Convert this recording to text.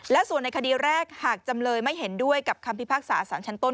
และส่วนในคดีแรกหากจำเลยไม่เห็นด้วยกับคำพิพากษาสารชั้นต้น